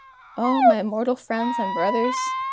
O, my mortal friends and brothers!